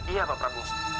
iya pak prabu